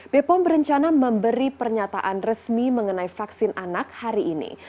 bepom berencana memberi pernyataan resmi mengenai vaksin anak hari ini